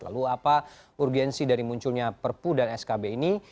lalu apa urgensi dari munculnya perpu dan skb ini